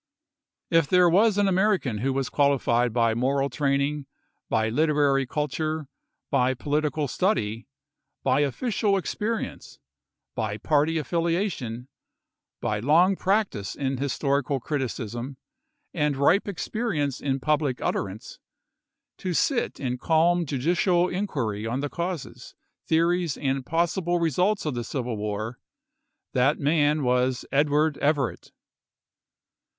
If there was an American who was qualified by moral training, by literary culture, by political study, by official experience, by party affiliation, by long practice in historical criticism, and ripe ex perience in public utterance, to sit in calm judicial inquiry on the causes, theories, and possible results of the civil war, that man was Edward Everett.